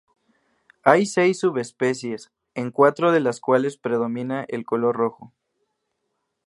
Hay seis subespecies, en cuatro de las cuales predomina el color rojo.